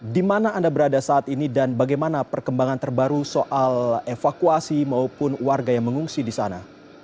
di mana anda berada saat ini dan bagaimana perkembangan terbaru soal evakuasi maupun warga yang mengungsi di sana